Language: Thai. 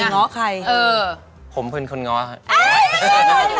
เรื่องเวลาต่างใช่มีแค่นั้นแหละเวลางอนใครง้อใคร